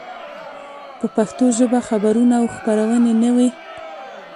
په پښتو ژبه خبرونه او خپرونې نه وې.